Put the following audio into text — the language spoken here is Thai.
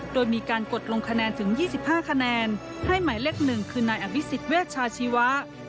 โดยมีการกดลงคะแนนถึง๒๕คะแนนให้หมายเลข๑คือนายอภิษฎเวชชาชีวะ